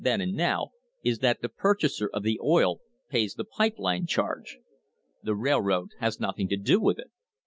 THE WAR ON THE REBATE then and now is that the purchaser of the oil pays the pipe line charge. The railroad has nothing to do with it.